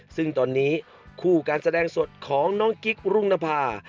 ซึ่งตอนนี้คู่การแสดงสดของน้องกิ๊กรุงนภา